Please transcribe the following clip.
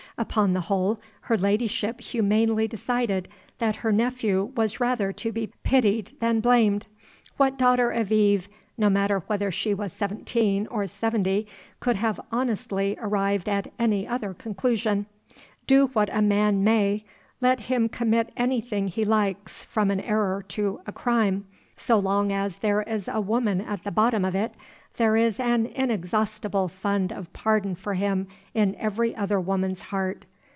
Upon the whole, her ladyship humanely decided that her nephew was rather to be pitied than blamed. What daughter of Eve (no matter whether she was seventeen or seventy) could have honestly arrived at any other conclusion? Do what a man may let him commit anything he likes, from an error to a crime so long as there is a woman at the bottom of it, there is an inexhaustible fund of pardon for him in every other woman's heart.